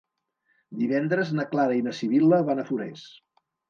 Divendres na Clara i na Sibil·la van a Forès.